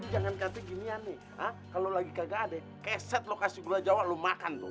jangan kata ginian nih kalo lagi kagak ada keset lo kasih gula jawa lo makan tuh